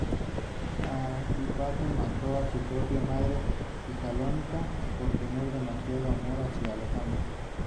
Antípatro mató a su propia madre Tesalónica por tener demasiado amor hacia Alejandro.